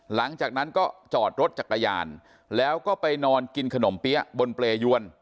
หลังจากนั้นก็จอดรถจักรยานแล้วก็ไปนอนกินขนมเปี๊ยะบนเปรยวน